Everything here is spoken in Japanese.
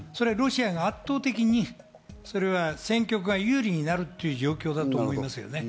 ロシアが圧倒的に戦局が有利になるという状況だと思います。